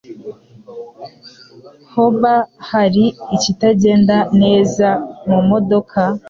Hoba hari ikitagenda neza mumodoka?